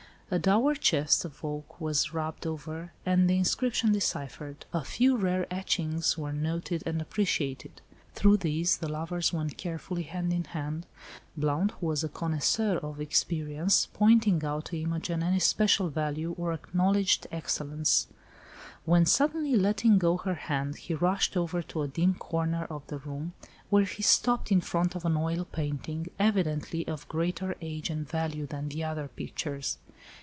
A "dower chest" of oak was rubbed over, and the inscription deciphered; a few rare etchings were noted and appreciated. Through these the lovers went carefully hand in hand, Blount, who was a connoisseur of experience, pointing out to Imogen any special value, or acknowledged excellence; when, suddenly letting go her hand, he rushed over to a dim corner of the room, where he stopped in front of an oil painting, evidently of greater age and value than the other pictures.